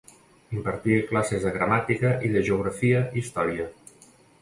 Impartia classes de Gramàtica i de Geografia i Història.